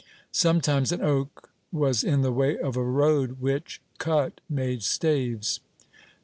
Sometimes an oak was in the way of a road, which, cut, made staves.